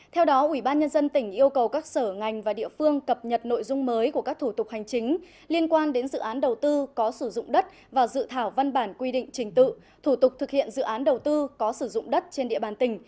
theo đó ubnd tỉnh yêu cầu các sở ngành và địa phương cập nhật nội dung mới của các thủ tục hành chính liên quan đến dự án đầu tư có sử dụng đất và dự thảo văn bản quy định trình tự thủ tục thực hiện dự án đầu tư có sử dụng đất trên địa bàn tỉnh